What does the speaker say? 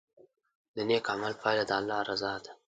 د نیک عمل پایله د الله رضا ده.